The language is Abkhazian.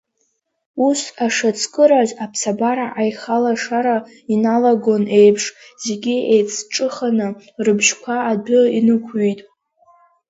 Ус, ашацкыраз, аԥсабара аихалашара иналагоны еиԥш, зегьы еицҿыханы рыбжьқәа адәы инықәҩит.